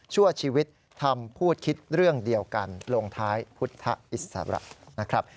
ชั่วชีวิตทำพูดคิดเรื่องเดียวกันลงท้ายพุทธอิสระนะครับ